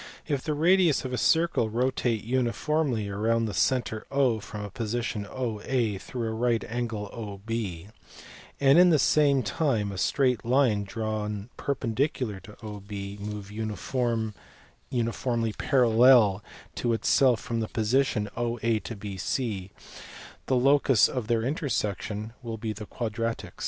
If the radius of a circle rotate uniformly round the centre from the position OA through a right angle to OB, and in the same time a straight line drawn perpendicular to OB move uniformly parallel to 32 36 THE SCHOOLS OF ATHENS AND CYZICUS. itself from the position OA to BC, the locus of their inter section will be the quadra trix.